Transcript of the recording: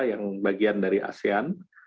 yang bagian dari asean